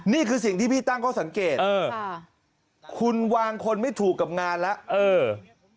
นี่คือสิ่งที่พี่ตั้งข้อสังเกตคุณวางคนไม่ถูกกับงานแล้วเออ